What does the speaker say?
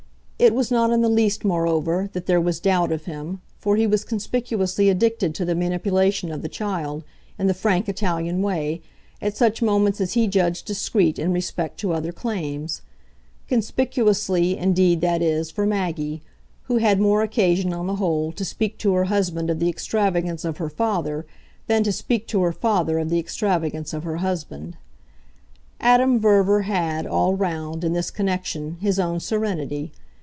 It was not in the least, moreover, that there was doubt of him, for he was conspicuously addicted to the manipulation of the child, in the frank Italian way, at such moments as he judged discreet in respect to other claims: conspicuously, indeed, that is, for Maggie, who had more occasion, on the whole, to speak to her husband of the extravagance of her father than to speak to her father of the extravagance of her husband. Adam Verver had, all round, in this connection, his own serenity.